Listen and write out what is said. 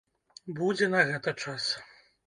Будзе на гэта час.